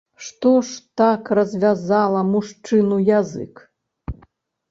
Што ж так развязала мужчыну язык?